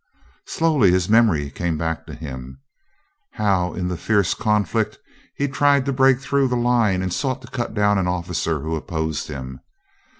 Slowly his memory came back to him; how in the fierce conflict he tried to break through the line and sought to cut down an officer who opposed him.